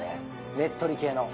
ねっとり系の。